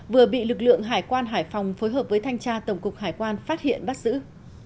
vừa bị lực lượng hải quan hải phòng phối hợp với thanh tra tổng cục hải quan phát hiện bắt giữ